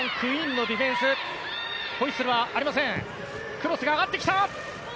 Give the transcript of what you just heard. クロスが上がってきた。